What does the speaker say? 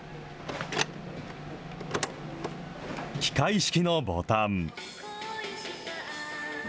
機械式のボタン。